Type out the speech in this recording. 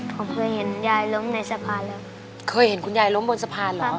ผมเคยเห็นยายล้มในสะพานแล้วเคยเห็นคุณยายล้มบนสะพานเหรอ